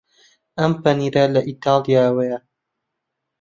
ئەم پەنیرە لە ئیتاڵیاوەیە.